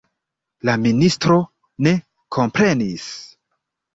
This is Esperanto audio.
La ministro ne komprenis.